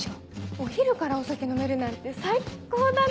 お昼からお酒飲めるなんて最っ高だね！